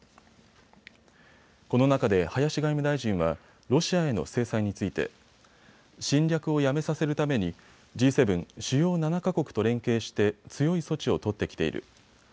この中で林外務大臣はロシアへの制裁について侵略をやめさせるためにＧ７・主要７か国と連携して強い措置を取ってきている。